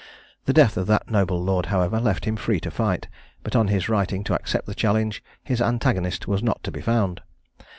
The death of that noble lord, however, left him free to fight; but on his writing to accept the challenge, his antagonist was not to be found.